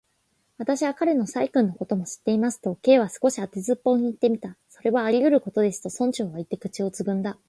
「私は彼の細君のことも知っています」と、Ｋ は少し当てずっぽうにいってみた。「それはありうることです」と、村長はいって、口をつぐんだ。